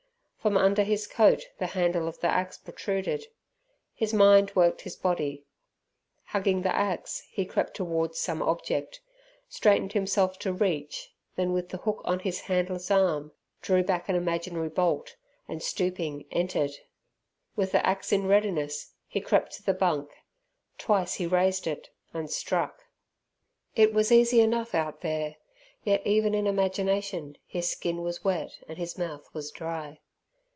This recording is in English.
From under his coat the handle of the axe protruded. His mind worked his body. Hugging the axe, he crept towards some object, straightened himself to reach, then with the hook on his handless arm, drew back an imaginary bolt, and stooping entered. With the axe in readiness he crept to the bunk. Twice he raised it and struck. It was easy enough out there, yet even in imagination his skin was wet and his mouth was dry.